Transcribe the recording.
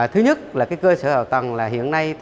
thứ nhất là cơ sở hảo tầng hiện nay